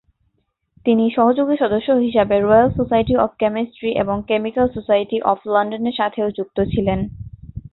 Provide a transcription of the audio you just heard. তিনি সহযোগী সদস্য হিসাবে রয়্যাল সোসাইটি অফ কেমিস্ট্রি এবং কেমিক্যাল সোসাইটি অফ লন্ডনের সাথেও যুক্ত ছিলেন।